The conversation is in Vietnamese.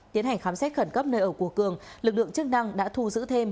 tiến hành khám xét khẩn cấp nơi ở của cường lực lượng chức năng đã thu giữ thêm